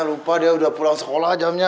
lupa dia udah pulang sekolah jamnya